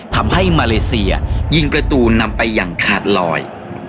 ทำให้มาเลเซียยิงประตูนำไปอย่างขาดลอย